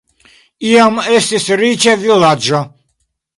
Iam estis riĉa vilaĝo.